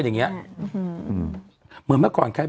ฟังลูกครับ